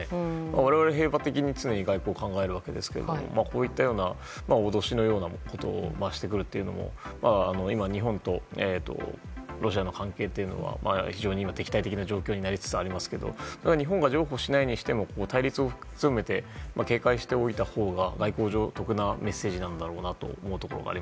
我々、平和的に外交を考えるんですけどこういったような脅しのようなことをしてくるのは日本とロシアの関係っていうのは非常に敵対的な状況になりつつありますがただ日本が譲歩しないにしても対立を強めて警戒しておくのが外交上のメッセージだと。